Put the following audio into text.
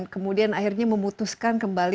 kemudian akhirnya memutuskan kembali